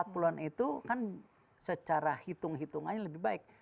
dan empat puluh an itu kan secara hitung hitungannya lebih baik